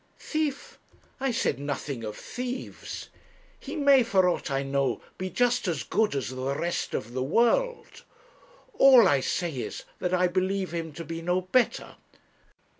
'Thief! I said nothing of thieves. He may, for aught I know, be just as good as the rest of the world; all I say is, that I believe him to be no better.